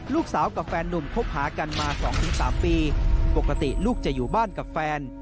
ลูกสาวกับแฟนนุ่มพบหากันมาสองถึงสามปีปกติลูกจะอยู่บ้านกับแฟน